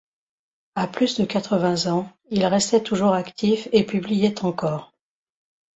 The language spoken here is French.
À plus de quatre-vingts ans, il restait toujours actif et publiait encore.